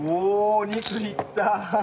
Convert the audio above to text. お肉にいった！